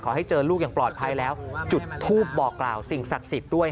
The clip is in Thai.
ให้เจอลูกอย่างปลอดภัยแล้วจุดทูปบอกกล่าวสิ่งศักดิ์สิทธิ์ด้วย